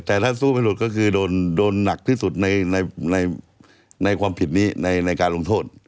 แต่ถ้าสู้ไม่หลุดก็คือโดนหนักที่สุดในความผิดนี้ในการลงโทษ